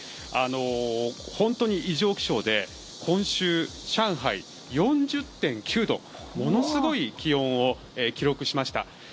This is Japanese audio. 本当に異常気象で今週、上海は４０．９度ものすごい気温を記録しました。